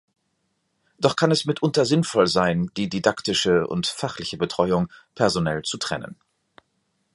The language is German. Doch kann es mitunter sinnvoll sein, die didaktische und fachliche Betreuung personell zu trennen.